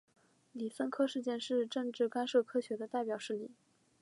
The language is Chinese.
李森科事件是政治干涉科学的代表事例。